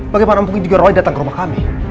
bagaimana mungkin juga roy datang ke rumah kami